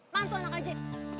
mantu anak aja